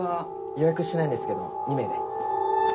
予約してないんですけど２名で。